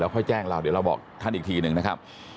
ค่อยแจ้งเราเดี๋ยวเราบอกท่านอีกทีหนึ่งนะครับ